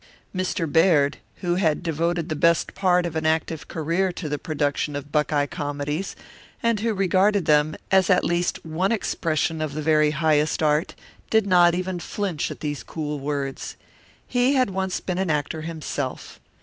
Mr. Baird, who had devoted the best part of an active career to the production of Buckeye comedies, and who regarded them as at least one expression of the very highest art, did not even flinch at these cool words. He had once been an actor himself.